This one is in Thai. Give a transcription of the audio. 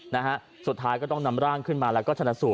นะฮะสุดท้ายก็ต้องนำร่างขึ้นมาแล้วก็ชนะสูต